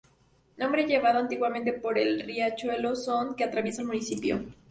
Nombre llevado antiguamente por el riachuelo "Son" que atraviesa el municipio.